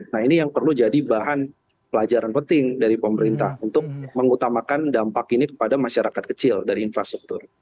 nah ini yang perlu jadi bahan pelajaran penting dari pemerintah untuk mengutamakan dampak ini kepada masyarakat kecil dan infrastruktur